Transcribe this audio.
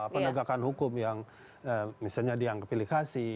penegakan hukum yang misalnya dianggap ilikasi